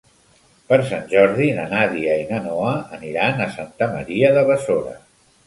Per Sant Jordi na Nàdia i na Noa aniran a Santa Maria de Besora.